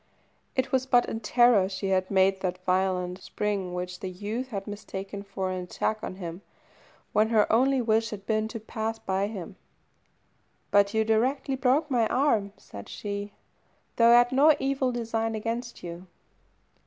It was but in terror she had made that violent spring which the youth had mistaken for an attack on him, when her only wish had been to pass by him. "But you directly broke my right arm," said she, "though I had no evil design against you."